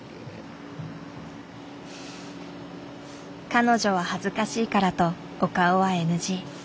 彼女は恥ずかしいからとお顔はＮＧ。